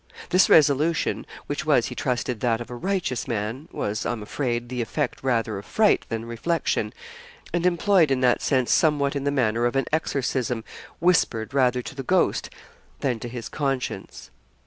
This resolution, which was, he trusted, that of a righteous man, was, I am afraid, the effect rather of fright than reflection, and employed in that sense somewhat in the manner of an exorcism whispered rather to the ghost than to his conscience.